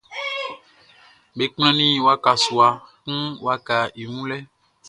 Be kplannin waka sua kun wakaʼn i wun lɛ.